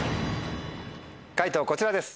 解答こちらです。